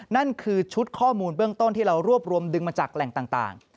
นั่นคือชุดข้อมูลเบื้องต้นที่เรารวบรวมดึงมาจากแหล่งต่าง